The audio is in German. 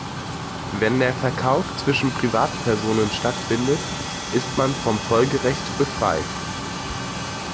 Wenn der Verkauf zwischen Privatpersonen stattfindet, ist man vom Folgerecht befreit.